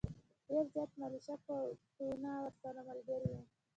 ډېر زیات ملېشه قوتونه ورسره ملګري وو.